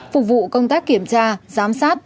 phục vụ công tác kiểm tra giám sát